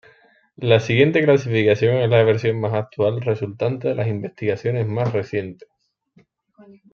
La siguiente clasificación es la versión más actual resultante de las investigaciones más recientes.